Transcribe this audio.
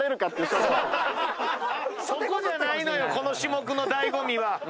そこじゃないのよこの種目の醍醐味は。